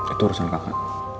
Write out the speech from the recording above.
itu urusan kakak